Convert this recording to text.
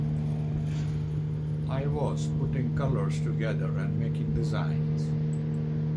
I was putting colors together and making designs.